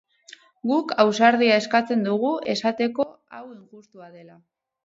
Guk ausardia eskatzen dugu esateko hau injustua dela.